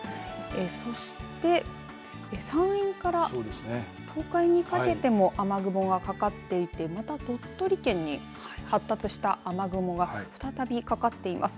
そして、山陰から東海にかけても雨雲がかかっていてまた鳥取県に発達した雨雲が再びかかっています。